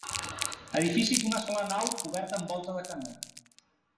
Edifici d'una sola nau cobert amb volta de canó.